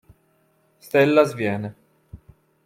Stella sviene.